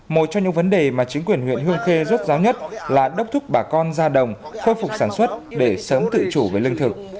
một trong những vấn đề mà chính quyền huyện hương khê rốt ráo nhất là đốc thúc bà con ra đồng khôi phục sản xuất để sớm tự chủ với lương thực